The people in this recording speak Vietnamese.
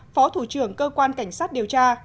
phó thủ trưởng cơ quan cảnh sát điều tra